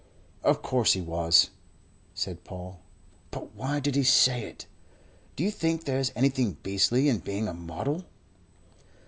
"Of course he was," said Paul. "But why did he say it? Do you think there's anything beastly in being a model?"